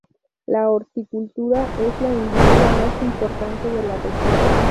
La horticultura es la industria más importante de la región.